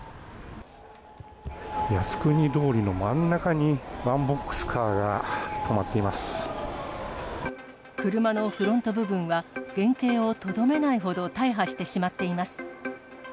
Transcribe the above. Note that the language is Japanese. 靖国通りの真ん中に、ワンボ車のフロント部分は、原形をとどめないほど大破してしまっています。